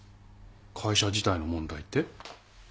会社自体の問題って？